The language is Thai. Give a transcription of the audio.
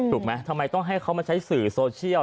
ถูกไหมทำไมต้องให้เขามาใช้สื่อโซเชียล